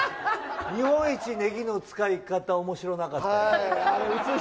日本一ネギの使い方おもしろなかった。